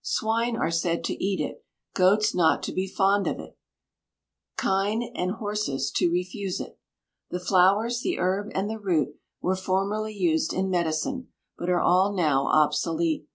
Swine are said to eat it, goats not to be fond of it, kine and horses to refuse it. The flowers, the herb, and the root were formerly used in medicine, but are all now obsolete.